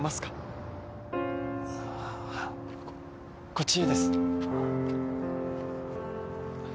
こっちです。